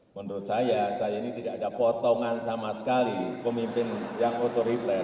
menurut saya saya ini tidak ada potongan sama sekali pemimpin yang otorifler